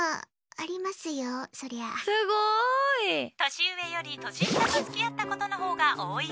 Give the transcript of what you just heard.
すごい！年上より年下と付き合ったことのほうが多い。